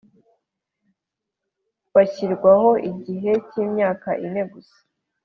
Bashyirirwaho igihe cy imyaka ine gusa